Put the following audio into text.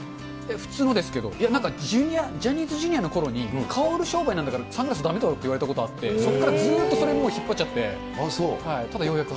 普通のですけど、なんかジャニーズＪｒ．のころに、顔売る商売なんだからサングラスだめとか言われたことあって、そこからずっとそれもう、引っ張っちゃって、ただ、ようやく。